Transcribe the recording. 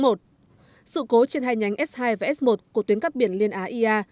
sự cố trên hai nhánh s hai và s một của tuyến cắp biển liên á ia